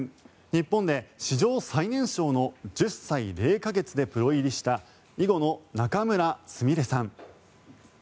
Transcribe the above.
日本で史上最年少の１０歳０か月でプロ入りした囲碁の仲邑菫さん。